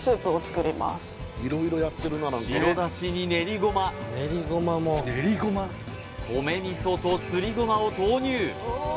白出汁に練りごま米味噌とすりごまを投入